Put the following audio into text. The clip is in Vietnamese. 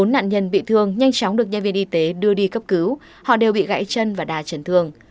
bốn nạn nhân bị thương nhanh chóng được nhân viên y tế đưa đi cấp cứu họ đều bị gãy chân và đà chấn thương